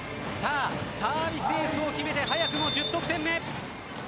サービスエースを決めて早くも１０得点目。